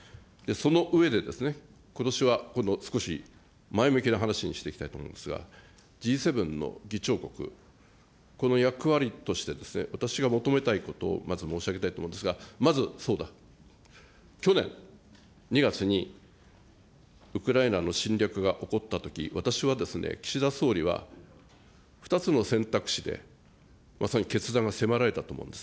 その上でですね、ことしは、今度、少し前向きな話にしていきたいと思いますが、Ｇ７の議長国、この役割として、私が求めたいことをまず申し上げたいと思うんですが、まず、そうだ、去年２月に、ウクライナの侵略が起こったとき、私は、岸田総理は２つの選択肢で、まさに決断が迫られたと思うんです。